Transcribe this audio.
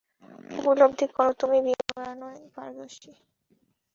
উপলব্ধি করো যে, তুমি বিমান ওড়ানোয় পারদর্শী।